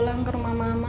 pulang ke rumah mama